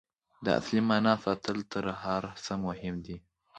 د اصلي معنا ساتل تر هر څه مهم دي.